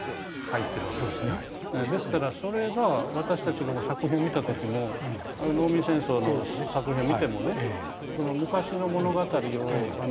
ですからそれが私たちが作品を見た時も農民戦争の作品を見てもね昔の物語を見てるという感じがしないし。